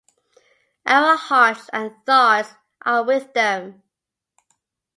Our hearts and thoughts are with them.